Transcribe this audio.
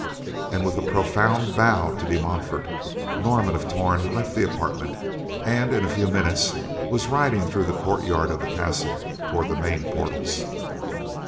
And with a profound bow to De Montfort, Norman of Torn left the apartment, and in a few minutes was riding through the courtyard of the castle toward the main portals.